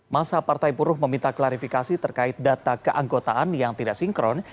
masa partai buruh meminta klarifikasi terkait data keanggotaan yang tidak sinkron